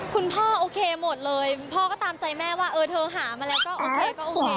คุณพ่อโอเคหมดเลยพ่อก็ตามใจแม่ว่าเออเธอหามาแล้วก็โอเคก็โอเค